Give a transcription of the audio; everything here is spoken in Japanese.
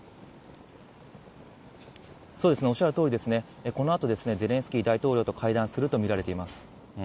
そうですね、おっしゃるとおりですね、このあとゼレンスキー大統領と会談すると見られています。